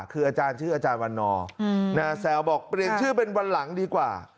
คืออาจารย์ชื่ออาจารย์วันนอร์แซวบอกเปลี่ยนชื่อเป็นวันหลังดีกว่า